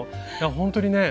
ほんとにね